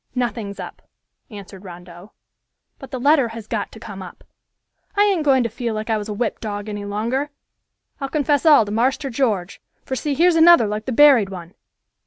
"Nothing's up," answered Rondeau, "but the letter has got to come up! I ain't going to feel like I was a whipped dog any longer. I'll confess all to Marster George, for see, here's another like the buried one."